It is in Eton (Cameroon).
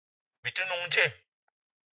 Bi te n'noung djeu?